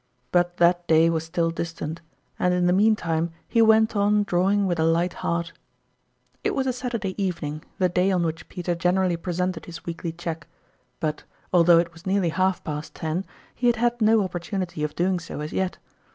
But that day was still distant, and in the mean time he went on drawing with a light heart. It was a Saturday evening, the day on which Peter generally presented his weekly cheque ; but, although it was nearly half past ten, he had had no opportunity of doing so as yet.